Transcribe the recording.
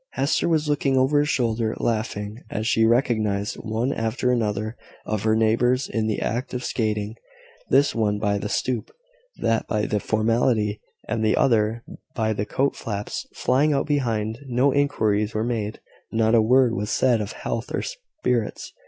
Hester was looking over his shoulder, laughing, as she recognised one after another of her neighbours in the act of skating this one by the stoop that by the formality and the other by the coat flaps flying out behind. No inquiries were made not a word was said of health or spirits.